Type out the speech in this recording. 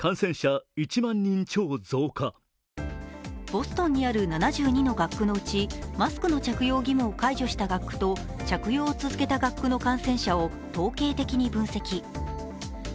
ボストンにある７２の学区のうちマスクの着用を解除した学区と着用を続けた学区の感染者を統計的に分析。